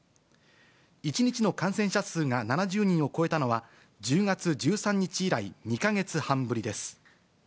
１日の感染者数が７０人を超えたのは、１０月１３日以来２か月半ぶりです。